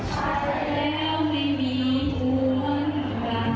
วันหนึ่งก็ต้องจากเธอก็รู้ว่าผมทำใจได้อย่าง